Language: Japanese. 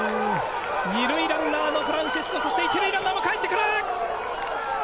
二塁ランナーのフランシスコそして一塁ランナーもかえってくる。